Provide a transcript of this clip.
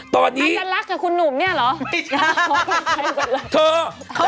มันจะรักกับคุณหนุ่มเนี่ยเหรอไม่ใช่